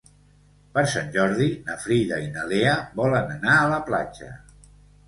Per Sant Jordi na Frida i na Lea volen anar a la platja.